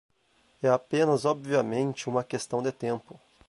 É apenas obviamente uma questão de tempo.